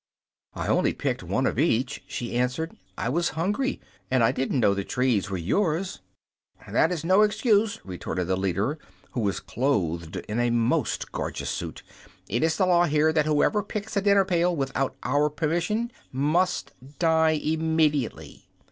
"I only picked one of each," she answered. "I was hungry, and I didn't know the trees were yours." "That is no excuse," retorted the leader, who was clothed in a most gorgeous suit. "It is the law here that whoever picks a dinner pail without our permission must die immediately."